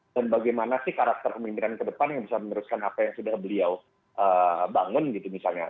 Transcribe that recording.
dan bagaimana sih karakter pemimpinan ke depan yang bisa meneruskan apa yang sudah beliau bangun gitu misalnya